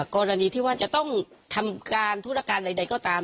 กรณีที่ว่าจะต้องทำการธุรการใดก็ตาม